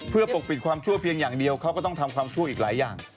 เพื่อปกปิดความชั่วเพียงอย่างเดียวเขาก็ต้องทำความชั่วอีกหลายอย่าง